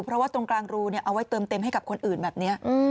เพราะว่าตรงกลางรูเอาไว้เติมเต็มให้กับคนอื่นแบบนี้